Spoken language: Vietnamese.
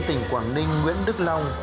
tỉnh quảng ninh nguyễn đức long